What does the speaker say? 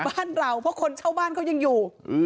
บ้านเราเพราะคนเช่าบ้านเขายังอยู่